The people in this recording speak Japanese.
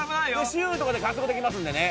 「シュー」とかで加速できますんでね。